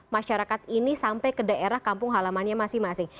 masyarakat ini sampai ke daerah kampung halamannya masing masing